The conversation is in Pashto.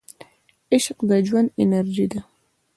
عشق د ژوند انرژي ده.